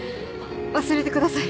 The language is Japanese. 忘れてください。